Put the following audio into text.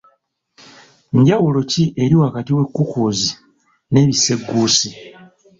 Njawulo ki eri wakati w'ekkukuuzi n'ebisegguusi?